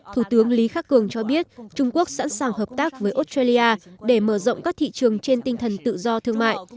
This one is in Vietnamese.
thủ tướng lý khắc cường cho biết trung quốc sẵn sàng hợp tác với australia để mở rộng các thị trường trên tinh thần tự do thương mại